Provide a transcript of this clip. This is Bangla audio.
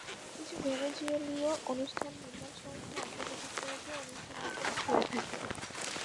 কিছু ভেনেজুয়েলীয় অনুষ্ঠান নির্মাণ সংস্থা আন্তর্জাতিক পর্যায়ে অনুষ্ঠান বিপণন করে থাকে।